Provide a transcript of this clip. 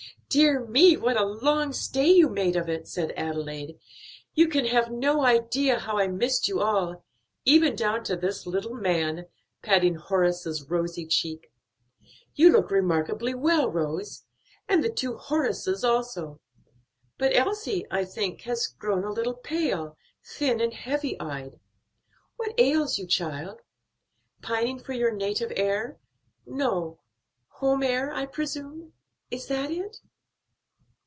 "Dear me, what a long stay you made of it!" said Adelaide. "You can have no idea how I missed you all; even down to this little man," patting Horace's rosy cheek. "You look remarkably well, Rose; and the two Horaces also; but Elsie, I think, has grown a little pale, thin, and heavy eyed. What ails you, child? Pining for your native air no, home air I presume. Is that it?"